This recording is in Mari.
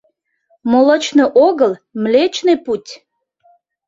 Молочный огыл, Млечный путь.